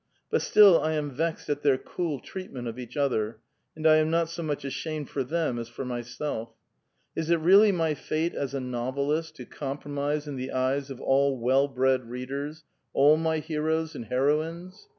But still I am vexed at their cool treatment of each other, and I am not as much ashamed for them as for mvself. Is it really my fate as a novelist, to compromise in the eyes of all well bred readers, all my heroes and heroines?